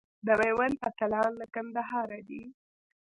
د میوند اتلان له کندهاره دي.